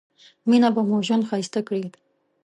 مينه به مو ژوند ښايسته کړي